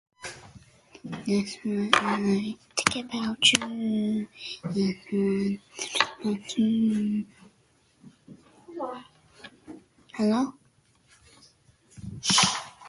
He was the first one to describe electromagnetic theory of light dispersion.